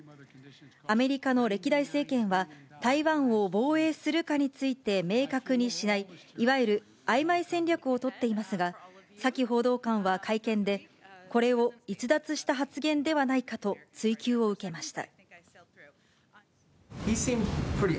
アメリカの歴代政権は、台湾を防衛するかについて明確にしない、いわゆる曖昧戦略を取っていますが、サキ報道官は会見で、これを逸脱した発言ではないかと追及を受けました。